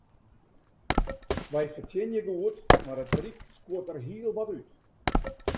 Wy fertsjinje goed, mar it ryk skuort der hiel wat út.